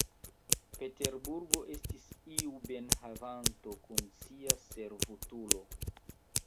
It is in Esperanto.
Peterburgo estis iu bienhavanto kun sia servutulo.